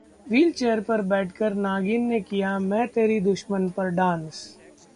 wheelchair पर बैठकर 'नागिन' ने किया 'मैं तेरी दुश्मन' पर डांस